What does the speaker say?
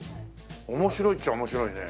面白いっちゃ面白いね。